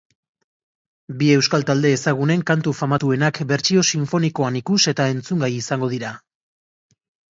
Bi euskal talde ezagunen kantu famatuenak bertsio sinfonikoan ikus eta entzungai izango dira.